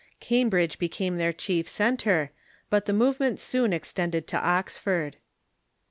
Cambridge became their chief cen tre, but the movement soon extended to Oxford.